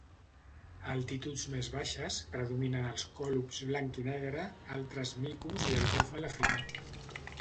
A altituds més baixes, predominen els còlobs blanc i negre, altres micos i el búfal africà.